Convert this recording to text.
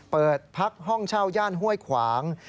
เปิดพักห้องเช่าย่านห้วยขวาง